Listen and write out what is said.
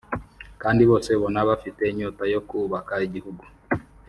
kandi bose ubona ko bafite inyota yo kubaka igihugu”